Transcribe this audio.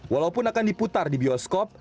walaupun akan diputar di bioskop